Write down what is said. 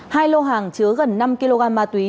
hai lô hàng chứa gần năm kg ma túy